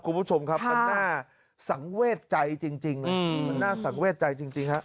คุณผู้ชมครับมันหน้าสังเวชใจจริงจริงมันหน้าสังเวชใจจริงจริงฮะ